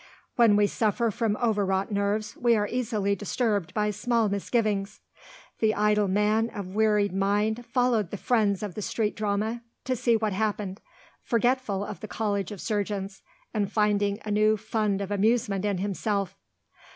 When we suffer from overwrought nerves we are easily disturbed by small misgivings. The idle man of wearied mind followed the friends of the street drama to see what happened, forgetful of the College of Surgeons, and finding a new fund of amusement in himself.